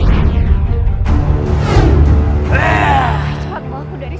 jangan lupa like share dan subscribe